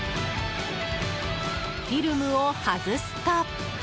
フィルムを外すと。